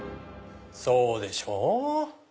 そうでしょう！